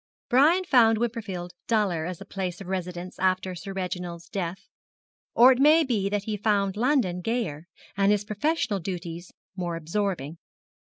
Brian found Wimperfield duller as a place of residence after Sir Reginald's death; or it may be that he found London gayer, and his professional duties more absorbing.